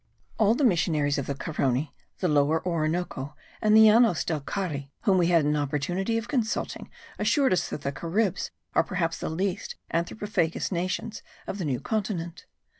All the missionaries of the Carony, the Lower Orinoco and the Llanos del Cari whom we had an opportunity of consulting assured us that the Caribs are perhaps the least anthropophagous nations of the New Continent.